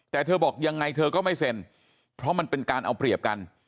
แต่เธอบอกยังไงเธอก็ไม่เซ็นเพราะมันเป็นการเอาเปรียบกัน